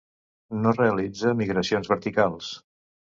No realitza migracions verticals.